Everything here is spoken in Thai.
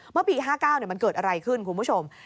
เมื่อปี๕๙มันเกิดอะไรขึ้นคุณผู้ชม